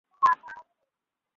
পরে জন্মেছ, পরেই থাকবে।